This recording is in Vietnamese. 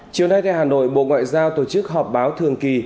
chiều nay tại hà nội bộ ngoại giao tổ chức họp báo thường kỳ